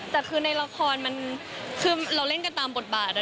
แต่คือในละครมันคือเราเล่นกันตามบทบาท